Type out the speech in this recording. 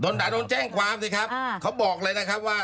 ด่าโดนแจ้งความสิครับเขาบอกเลยนะครับว่า